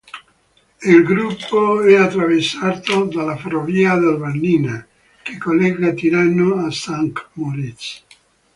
Il gruppo è attraversato dalla Ferrovia del Bernina, che collega Tirano a Sankt Moritz.